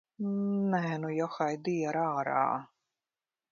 Nē, nu, johaidī ar ārā!